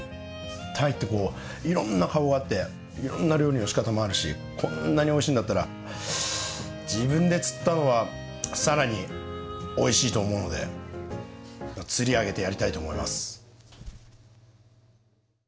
タイってこういろんな顔があっていろんな料理のしかたもあるしこんなにおいしいんだったら自分で釣ったのは更においしいと思うので釣り上げてやりたいと思います。